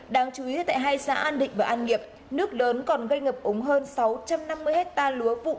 đáng chú ý tại hai xã an định và an nghiệp nước lớn còn gây ngập ống hơn sáu trăm năm mươi hectare lúa vụ đông sông